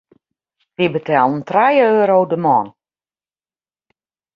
Wy betellen trije euro de man.